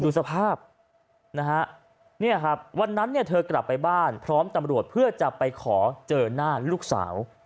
ดูสภาพในวันนั้นเธอกลับไปบ้านพร้อมตำรวจเพื่อจะไปคอเจอนาค์ลูกสาว